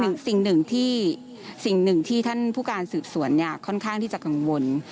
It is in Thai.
นั่นเป็นสิ่งหนึ่งที่ท่านผู้การสืบสวนค่อนข้างที่จะกังวล